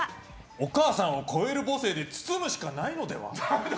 お母さんを超える母性で包むしかないのでは？